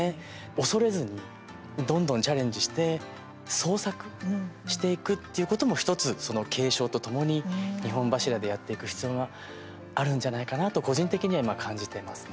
恐れずにどんどんチャレンジして創作していくっていうことも１つ継承とともに二本柱でやっていく必要があるんじゃないかなと個人的には今、感じてますね。